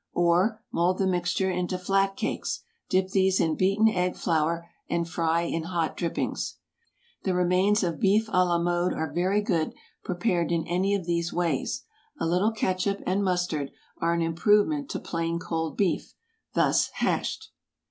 Or, mould the mixture into flat cakes; dip these in beaten egg flour, and fry in hot drippings. The remains of beef à la mode are very good prepared in any of these ways. A little catsup and mustard are an improvement to plain cold beef, thus hashed.